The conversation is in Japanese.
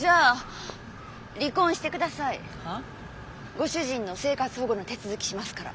ご主人の生活保護の手続きしますから。